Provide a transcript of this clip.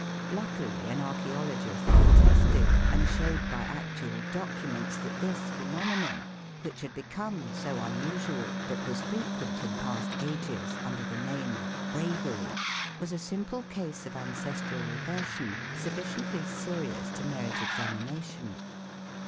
Luckily an archæologist protested and showed by actual documents that this phenomenon, which had become so unusual but was frequent in past ages under the name of bravery, was a simple case of ancestral reversion sufficiently serious to merit examination.